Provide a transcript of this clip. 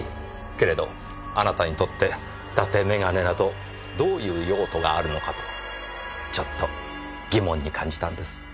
けれどあなたにとって伊達眼鏡などどういう用途があるのかとちょっと疑問に感じたんです。